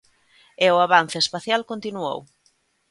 E o avance espacial continuou.